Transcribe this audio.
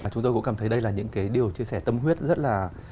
chúng tôi cũng cảm thấy đây là những cái điều chia sẻ tâm huyết rất là